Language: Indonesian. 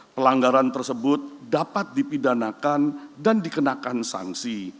pelanggaran tersebut dapat dipidanakan dan dikenakan sanksi